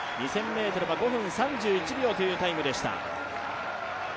２０００ｍは５分３１秒というタイムでした。